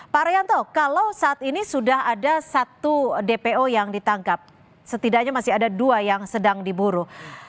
pak arianto kalau saat ini sudah ada satu dpo yang ditangkap setidaknya masih ada dua yang sedang diburu